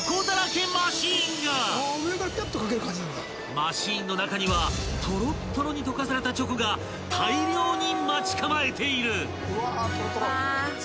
［マシンの中にはトロットロに溶かされたチョコが大量に待ち構えている］